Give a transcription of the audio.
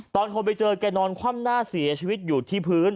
ตอนคนไปเจอแกนอนคว่ำหน้าเสียชีวิตอยู่ที่พื้น